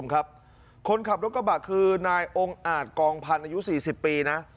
คนขับรถกระบะคือนายองค์อาจกองพันธ์อายุ๔๐ปีนะ